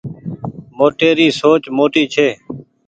موٽي ري سوچ موٽي ڇي